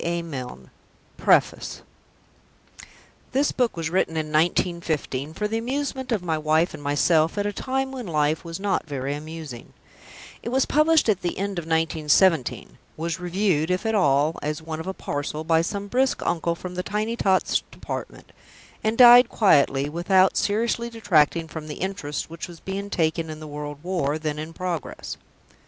A. Milne PREFACE This book was written in 1915, for the amusement of my wife and myself at a time when life was not very amusing; it was published at the end of 1917; was reviewed, if at all, as one of a parcel, by some brisk uncle from the Tiny Tots Department; and died quietly, without seriously detracting from the interest which was being taken in the World War, then in progress.